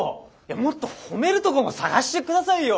もっと褒めるとこも探して下さいよ。